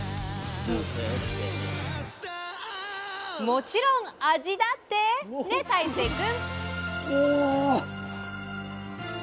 もちろん味だってね大聖君！